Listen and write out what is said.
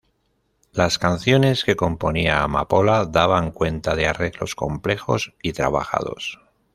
Las canciones que componía Amapola, daban cuenta de arreglos complejos y trabajados.